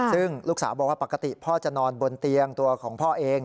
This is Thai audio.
ซึ่งลูกสาวบอกว่าปกติพ่อจะนอนบนเตียงตัวของพ่อเอง